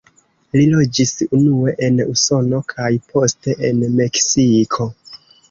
Li loĝis unue en Usono kaj poste en Meksiko.